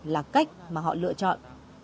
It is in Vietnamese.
là cách mà họ lựa chọn